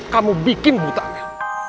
kamu bikin buta mel